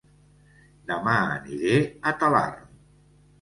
Dema aniré a Talarn